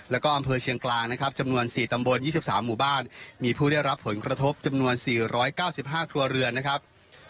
แล้วก็อำเภอเชียงกลางนะครับจำนวนสี่ตำบลยี่สิบสามหมู่บ้านมีผู้ได้รับผลกระทบจำนวนสี่ร้อยเก้าสิบห้าครัวเรือนนะครับ